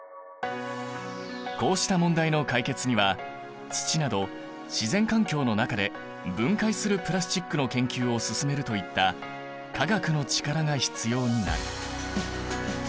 こうした問題の解決には土など自然環境の中で分解するプラスチックの研究を進めるといった化学の力が必要になる。